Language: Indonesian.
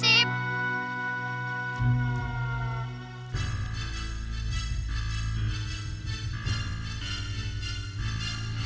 hari pahan sip